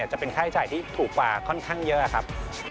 จะเป็นค่าใช้จ่ายที่ถูกกว่าค่อนข้างเยอะครับ